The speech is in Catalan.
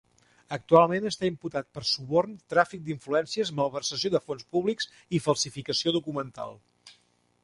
Actualment està imputat per suborn, tràfic d'influències, malversació de fons públics i falsificació documental.